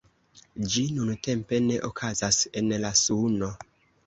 Ĝi nuntempe ne okazas en la Suno.